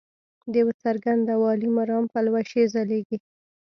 د یو څرګند او عالي مرام پلوشې ځلیږي.